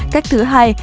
cách thứ hai